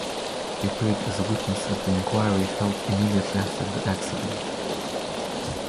He appeared as a witness at the inquiry held immediately after the accident.